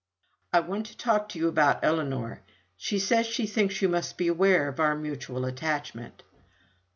"I want to speak to you about Ellinor. She says she thinks you must be aware of our mutual attachment."